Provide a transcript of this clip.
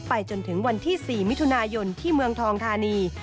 จนถึงวันที่๔มิถุนายนที่เมืองทองธานี